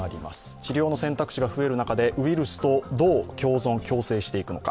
治療の選択肢が増える中で、ウイルスとどう共存・共生していくのか。